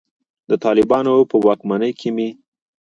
د طالبانو په واکمنۍ کې مې.